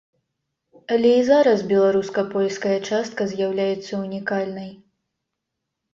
Але і зараз беларуска-польская частка з'яўляецца ўнікальнай.